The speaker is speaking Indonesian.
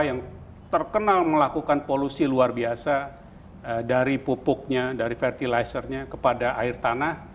yang terkenal melakukan polusi luar biasa dari pupuknya dari fertilizernya kepada air tanah